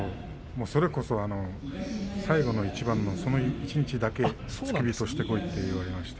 それこそ最後の一番のその一日だけ付け人をしてこいと言われまして。